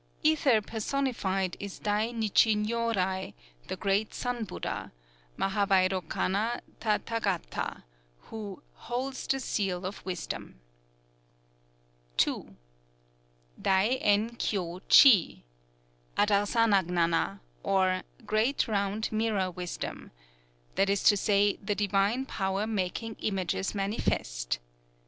Ether personified is Dai Nichi Nyōrai, the "Great Sun Buddha" (Mahâvairokana Tathâgata), who "holds the seal of Wisdom." II. Dai en kyō chi (Âdarsana gñâna), or "Great round mirror wisdom," that is to say the divine power making images manifest.